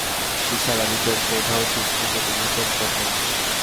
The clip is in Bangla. নিসার আলির চমকে ওঠা উচিত, কিন্তু তিনি চমকে উঠলেন না।